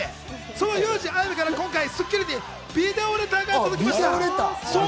そのユウジ・アヤベから今回『スッキリ』にビデオレターが届きました！